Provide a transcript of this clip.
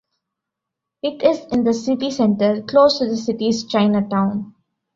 It is in the city centre, close to the city's Chinatown.